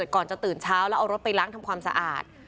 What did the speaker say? ก่อนจะตื่นเช้าแล้วเอารถไปล้างทำความสะอาด